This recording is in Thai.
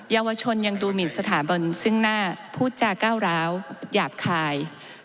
เยาวชนยังดูหมินสถาบันซึ่งหน้าพูดจาก้าวร้าวหยาบคาย